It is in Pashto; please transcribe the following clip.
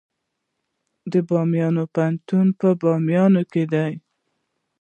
د بامیان پوهنتون په بامیان کې دی